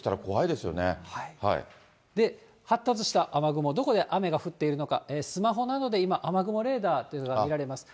で、発達した雨雲、どこで雨が降っているのか、スマホなどで今、雨雲レーダーっていうのが見られます。